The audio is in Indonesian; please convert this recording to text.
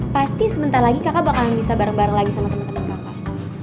pasti sebentar lagi kakak bakalan bisa bareng bareng lagi sama temen temen kakak